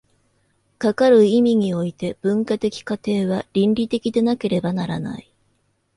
かかる意味において、文化的過程は倫理的でなければならない。